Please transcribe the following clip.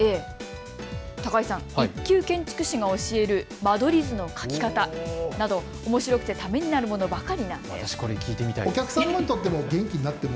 １級建築士が教える間取りの書き方など、おもしろくてためになるものばかり。